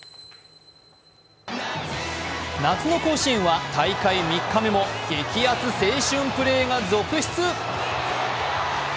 夏の甲子園は大会３日目も激熱青春プレーが続出。